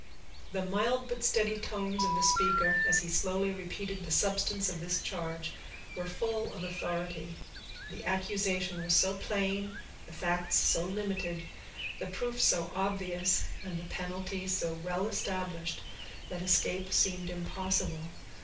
The mild but steady tones of the speaker, as he slowly repeated the substance of this charge, were full of authority. The accusation was so plain, the facts so limited, the proof so obvious, and the penalty so well established, that escape seemed impossible.